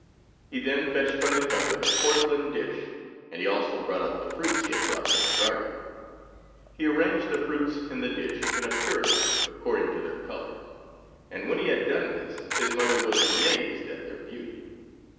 He then fetched from the cupboard a porcelain dish, and he also brought out the fruits he had brought from the garden. He arranged the fruits in the dish in a pyramid according to their colors, and when he had done this his mother was amazed at their beauty.